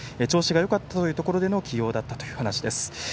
調子がよかったというところでの起用だったという話です。